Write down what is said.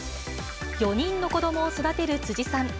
４人の子どもを育てる辻さん。